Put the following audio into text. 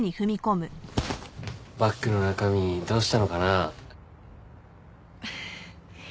バッグの中身どうしたのかな？